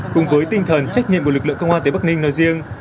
cùng với tinh thần trách nhiệm của lực lượng công an tế bắc ninh nội riêng